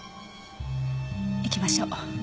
行きましょう。